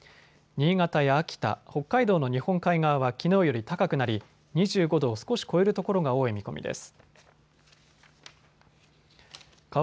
新潟や秋田、北海道の日本海側はきのうより高くなり２５度を少し超える所が多い見込みです。